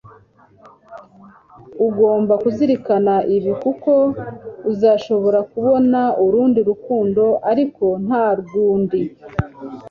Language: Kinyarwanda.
ugomba kuzirikana ibi kuko uzashobora kubona urundi rukundo ariko ntirwundi